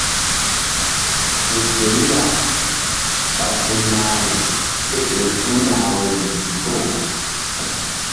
Fe gelu ya ɓa gun nahri kéƴo su̧nah woyri ndikpoh.